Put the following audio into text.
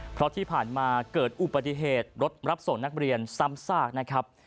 เพราะที่ผ่านมาเกิดอุบัติเหตุรถรับส่งนักเรียนซ้ำซากนะครับ